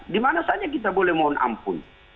dimana saja kita boleh mohon ampun